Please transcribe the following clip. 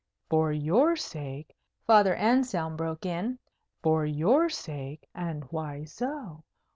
"For your sake?" Father Anselm broke in. "For your sake? And why so?